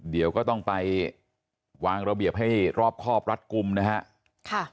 เดี๋ยวก็ต้องไปวางระเบียบให้รอบครอบรัดกลุ่มนะฮะ